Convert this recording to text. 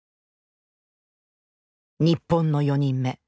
日本の４人目。